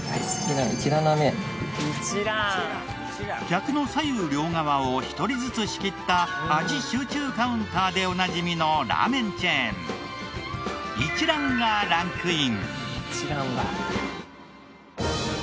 客の左右両側を１人ずつ仕切った味集中カウンターでおなじみのラーメンチェーン一蘭がランクイン。